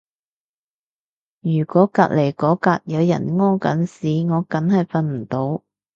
如果隔離嗰格有人屙緊屎就梗係瞓唔到